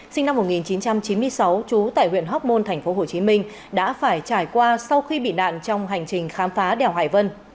sinh năm một nghìn chín trăm chín mươi sáu trú tại huyện hóc môn tp hcm đã phải trải qua sau khi bị nạn trong hành trình khám phá đèo hải vân